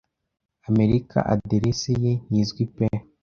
Amerika aderese ye ntizwi pe